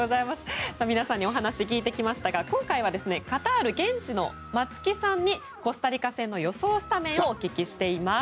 皆さんにお話を聞いてきましたが今回は現地カタールの松木さんにコスタリカ戦の予想スタメンをお聞きしています。